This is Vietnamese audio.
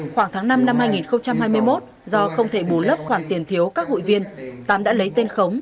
khoảng tháng năm năm hai nghìn hai mươi một do không thể bù lấp khoản tiền thiếu các hụi viên tám đã lấy tên khống